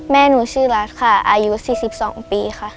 แม่หนูชื่อรัฐค่ะอายุ๔๒ปีค่ะ